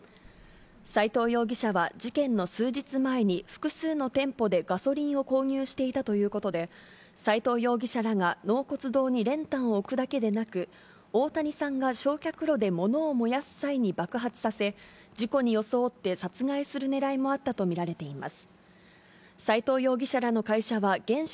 斎藤容疑者は事件の数日前に複数の店舗でガソリンを購入していたということで、斎藤容疑者らが納骨堂に練炭を置くだけでなく、大谷さんが焼却炉で物を燃やす際に爆発させ、事故に装って殺害するねらいもあったと見られています。